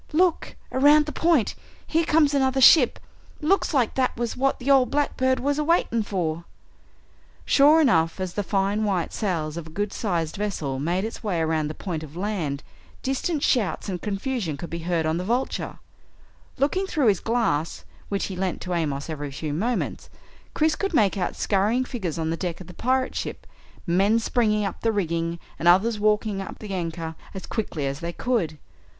"Look! Around the point! Here comes another ship looks like that was what the ol' blackbird was a waiting for!" Sure enough, as the fine white sails of a good sized vessel made its way around the point of land, distant shouts and confusion could be heard on the Vulture. Looking through his glass, which he lent to Amos every few moments, Chris could make out scurrying figures on the deck of the pirate ship, men springing up the rigging and others walking up the anchor as quickly as they could.